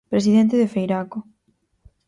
Presidente de Feiraco